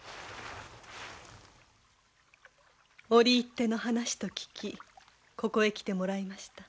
折り入っての話と聞きここへ来てもらいました。